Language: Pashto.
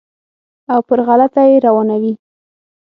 او پر غلطه یې روانوي.